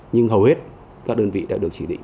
nhưng hầu hết các đơn vị đã được chỉ định